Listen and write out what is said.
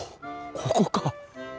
ここか。